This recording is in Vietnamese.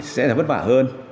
sẽ là vất vả hơn